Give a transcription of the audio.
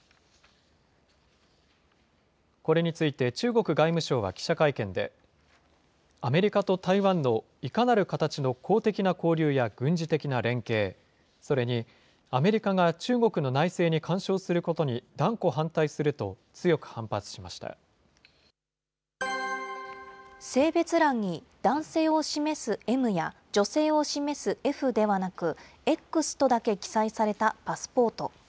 これについて、中国外務省は記者会見で、アメリカと台湾のいかなる形の公的な交流や軍事的な連携、それにアメリカが中国の内政に干渉することに断固反対すると強く性別欄に男性を示すＭや、女性を示すＦではなく、Ｘとだけ記載されたパスポート。